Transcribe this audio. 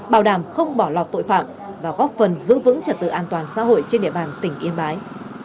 bảo đảm không bỏ lọt tội phạm và góp phần giữ vững trật tự an toàn xã hội trên địa bàn tỉnh yên bái